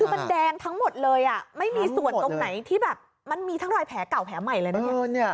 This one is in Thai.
คือมันแดงทั้งหมดเลยไม่มีส่วนตรงไหนที่แบบมันมีทั้งรอยแผลเก่าแผลใหม่เลยนะเนี่ย